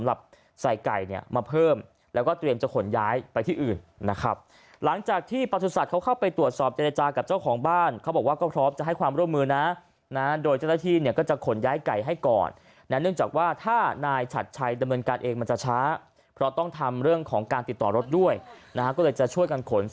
ใส่ไก่เนี่ยมาเพิ่มแล้วก็เตรียมจะขนย้ายไปที่อื่นนะครับหลังจากที่ประสุทธิ์เขาเข้าไปตรวจสอบเจรจากับเจ้าของบ้านเขาบอกว่าก็พร้อมจะให้ความร่วมมือนะนะโดยเจ้าหน้าที่เนี่ยก็จะขนย้ายไก่ให้ก่อนนะเนื่องจากว่าถ้านายฉัดชัยดำเนินการเองมันจะช้าเพราะต้องทำเรื่องของการติดต่อรถด้วยนะฮะก็เลยจะช่วยกันขนส